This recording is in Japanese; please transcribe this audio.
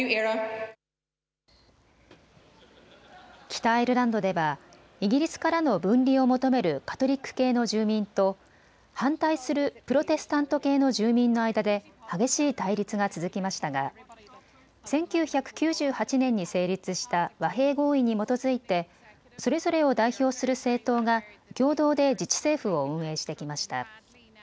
北アイルランドではイギリスからの分離を求めるカトリック系の住民と反対するプロテスタント系の住民の間で激しい対立が続きましたが１９９８年に成立した和平合意に基づいてそれぞれを代表する政党が共同で自治政府を運営してきました。